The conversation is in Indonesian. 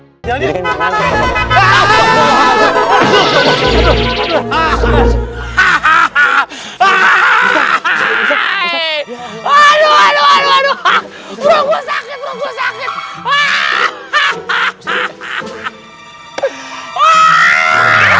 sampai jumpa di video selanjutnya